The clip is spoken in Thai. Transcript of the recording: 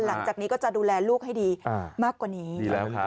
หลังจากนี้ก็จะดูแลลูกให้ดีมากกว่านี้ดีแล้วครับ